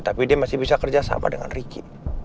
tapi dia masih bisa kerja sama dengan ricky